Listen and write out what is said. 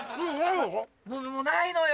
もうないのよ